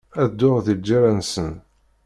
Ad dduɣ di lğerra-nsen.